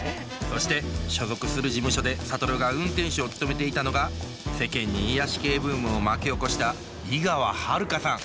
そして所属する事務所で諭が運転手を務めていたのが世間に癒やし系ブームを巻き起こした井川遥さん